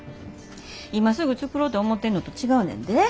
今すぐ作ろと思てんのと違うねんで。